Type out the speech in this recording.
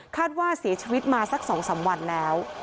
ว่าเสียชีวิตมาสัก๒๓วันแล้ว